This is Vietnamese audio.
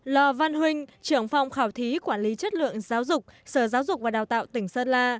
lò văn huynh trưởng phòng khảo thí quản lý chất lượng giáo dục sở giáo dục và đào tạo tỉnh sơn la